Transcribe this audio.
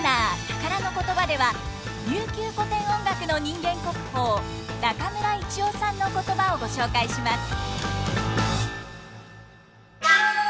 「たからのことば」では琉球古典音楽の人間国宝中村一雄さんのことばをご紹介します。